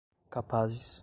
capazes